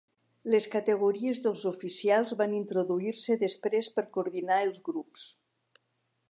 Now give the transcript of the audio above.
Les categories dels oficials van introduir-se després per coordinar els grups.